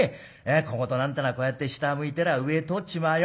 小言なんてのはこうやって下向いてりゃ上へ通っちまうよ。